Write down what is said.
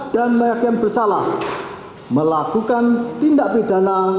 dan meyakinkan bersalah melakukan tindak pidana